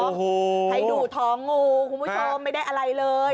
ให้ดูท้องงูคุณผู้ชมไม่ได้อะไรเลย